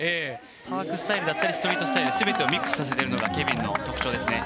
パークスタイルだったりストリートスタイル全てをミックスさせるのがケビンの特徴です。